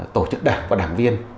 tổ chức đảng và đảng viên